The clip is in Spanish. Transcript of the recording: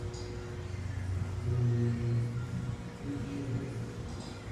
Entre ellos, las orugas son muy numerosas.